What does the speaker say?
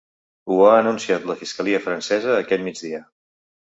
Ho ha anunciat la fiscalia francesa aquest migdia.